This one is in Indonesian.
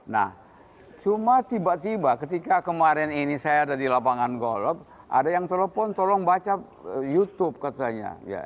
nah cuma tiba tiba ketika kemarin ini saya ada di lapangan golp ada yang telepon tolong baca youtube katanya